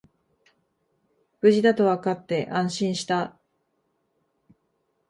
無事だとわかって安心した